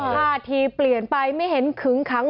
ท่าทีเปลี่ยนไปไม่เห็นขึงขัง